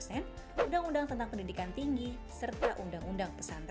seperti undang undang sistem pendidikan nasional undang undang retanggu dan dpr